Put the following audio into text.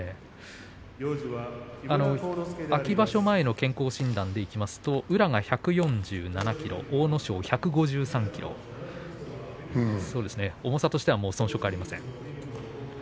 秋場所前の健康診断でいきますと宇良は１４２ｋｇ、阿武咲も１５３ｋｇ重さとしては遜色ありません。